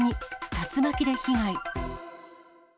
竜巻で被害。